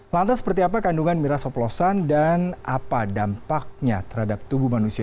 lantas seperti apa kandungan miras oplosan dan apa dampaknya terhadap tubuh manusia